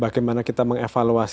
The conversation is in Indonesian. bagaimana kita mengevaluasi